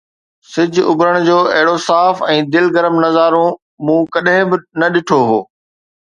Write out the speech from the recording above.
سج اڀرڻ جو اهڙو صاف ۽ دل گرم نظارو مون ڪڏهن به نه ڏٺو هو